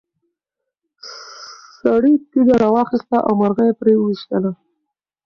سړي تیږه راواخیسته او مرغۍ یې پرې وویشتله.